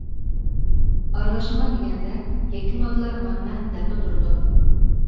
ئارىلاشما دېگەندە يەككە ماددىلار مانا مەن دەپلا تۇرىدۇ.